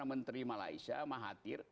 karena menteri malaysia mahathir